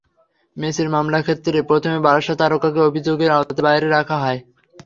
মেসির মামলার ক্ষেত্রে প্রথমে বার্সা তারকাকে অভিযোগের আওতার বাইরে রাখা হয়।